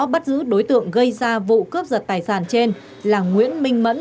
bắt giữ đối tượng gây ra vụ cướp giật tài sản trên là nguyễn minh mẫn